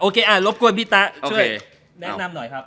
โอเคอ่ะรบกวนพี่ต๊ะช่วยแนะนำหน่อยครับ